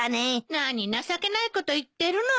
何情けないこと言ってるのよ。